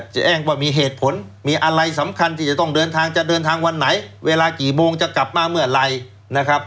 แจ้งว่ามีเหตุผลมีอะไรสำคัญที่จะต้องเดินทางจะเดินทางวันไหนเวลากี่โมงจะกลับมาเมื่อไหร่นะครับ